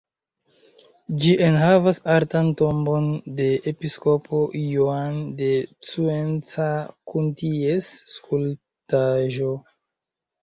Ĝi enhavas artan tombon de episkopo Juan de Cuenca kun ties skulptaĵo.